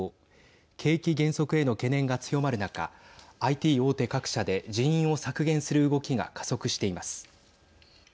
景気減速への懸念が強まる中ＩＴ大手各社で人員を削減する動きが加速しています。